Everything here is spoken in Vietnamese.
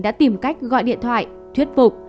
đã tìm cách gọi điện thoại thuyết phục